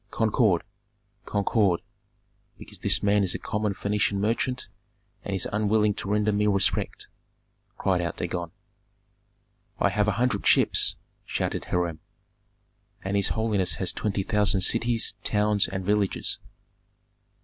"Concord! concord, because this man is a common Phœnician merchant, and is unwilling to render me respect," cried out Dagon. "I have a hundred ships!" shouted Hiram. "And his holiness has twenty thousand cities, towns, and villages."